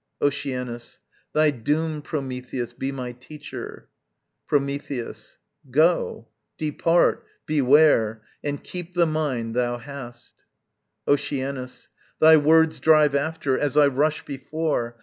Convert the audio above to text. Oceanus. Thy doom, Prometheus, be my teacher! Prometheus. Go. Depart beware and keep the mind thou hast. Oceanus. Thy words drive after, as I rush before.